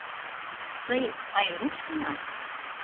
Тый — Айрушкина?